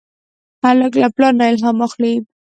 هلک له پلار نه الهام اخلي.